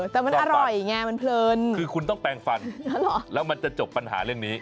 แต่มันอร่อยไงมันเพลินคือคุณต้องแปลงฟันแล้วมันจะจบปัญหาเรื่องนี้